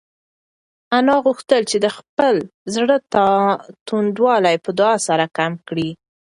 انا غوښتل چې د خپل زړه توندوالی په دعا سره کم کړي.